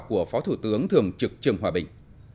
của phó thủ tướng thường trực trường hòa bình